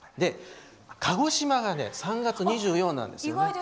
鹿児島が３月２４日なんですよ。